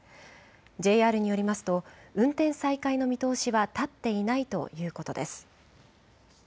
ＪＲによりますと運転再開の見通しは立っていないということです。